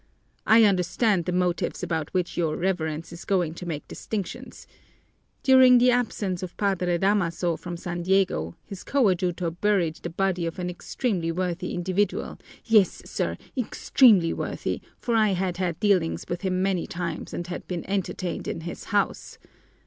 "I understand the motives about which your Reverence is going to make distinctions. During the absence of Padre Damaso from San Diego, his coadjutor buried the body of an extremely worthy individual yes, sir, extremely worthy, for I had had dealings with him many times and had been entertained in his house.